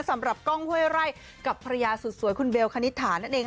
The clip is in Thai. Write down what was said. สำหรับกล้องเว้ยไล่กับภรรยาสุดสวยคุณเบลคณิตฐานนั่นเอง